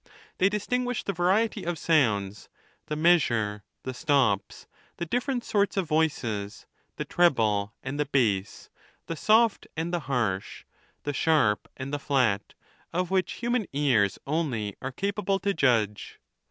They distinguish the variety of sounds, the measure, the stops, the different sorts of voices, the treble and the base, the soft and the harsh, the sharp and the flat, of which human ears only are capable to judge.